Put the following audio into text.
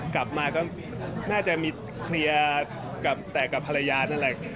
กลับมาก็น่าจะมีเคลียร์กับแต่กับภรรยานั่นแหละ